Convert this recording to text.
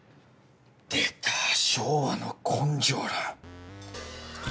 出た昭和の根性論。